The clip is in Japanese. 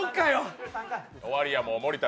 終わりや、もう森田。